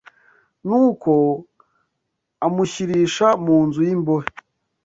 nuko amushyirisha mu nzu y’imbohe